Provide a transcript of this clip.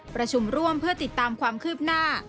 ประชุมร่วมเพื่อติดตามความคืบหน้า